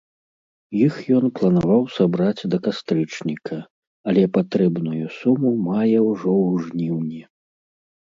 Іх ён планаваў сабраць да кастрычніка, але патрэбную суму мае ўжо ў жніўні.